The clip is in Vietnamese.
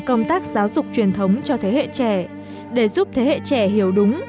công tác giáo dục truyền thống cho thế hệ trẻ để giúp thế hệ trẻ hiểu đúng